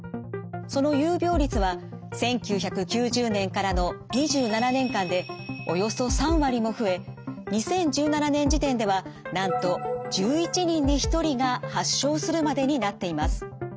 その有病率は１９９０年からの２７年間でおよそ３割も増え２０１７年時点ではなんと１１人に１人が発症するまでになっています。